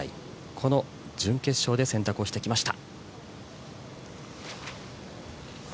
この準決勝で選択をしてきました。